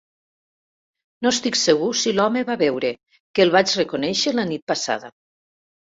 No estic segur si l"home va veure que el vaig reconèixer la nit passada.